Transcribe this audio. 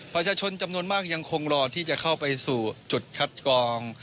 ประชาชนจำนวนมากยังคงรอที่จะเข้าไปสู่จุดคัดกอง